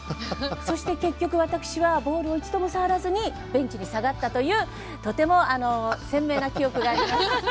そして結局私はボールを一度も触らずにベンチに下がったというとても鮮明な記憶があります。